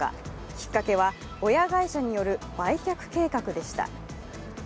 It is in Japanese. きっかけは親会社による売却計画でした。